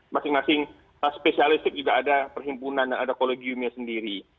masing masing spesialistik juga ada perhimpunan dan ada kolegiumnya sendiri